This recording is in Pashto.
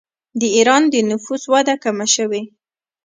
د ایران د نفوس وده کمه شوې.